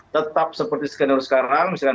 tetap seperti skenario sekarang misalkan